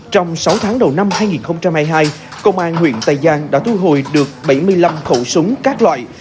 trong sáu tháng đầu năm hai nghìn hai mươi hai công an huyện tây giang đã thu hồi được bảy mươi năm khẩu súng các loại